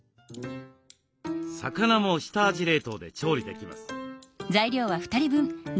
魚も下味冷凍で調理できます。